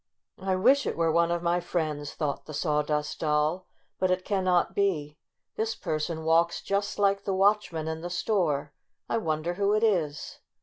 "I wish it were one of my friends, " thought the Sawdust Doll; "but it cannot be. This person walks just like the watch man in the store. I wonder who it is."